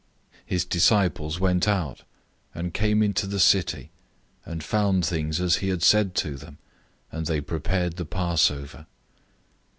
014:016 His disciples went out, and came into the city, and found things as he had said to them, and they prepared the Passover.